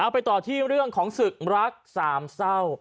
ไปต่อที่เรื่องของศึกรักสามเศร้า